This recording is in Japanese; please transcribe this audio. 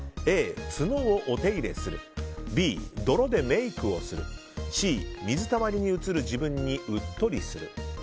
Ａ、角をお手入れするＢ、泥でメイクをするＣ、水たまりに映る自分にうっとりする。